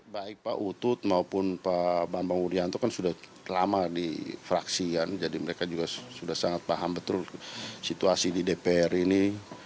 baik pak utut maupun pak bambang udianto kan sudah lama di fraksi kan jadi mereka juga sudah sangat paham betul situasi di dpr ini